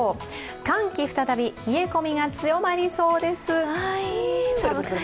寒気再び、冷え込みが強まりそうです。